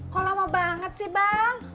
kok lama banget sih bang